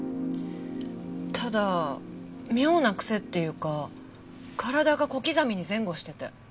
ただ妙な癖っていうか体が小刻みに前後してて。